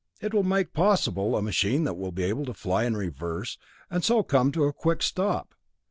It will make possible a machine that will be able to fly in reverse and so come to a quick stop.